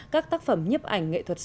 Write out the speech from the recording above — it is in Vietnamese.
các tác phẩm nhiếp ảnh nghệ thuật xuất sắc